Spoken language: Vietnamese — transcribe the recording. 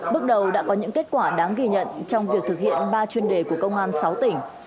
bước đầu đã có những kết quả đáng ghi nhận trong việc thực hiện ba chuyên đề của công an sáu tỉnh